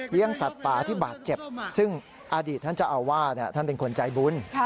สัตว์ป่าที่บาดเจ็บซึ่งอดีตท่านเจ้าอาวาสท่านเป็นคนใจบุญ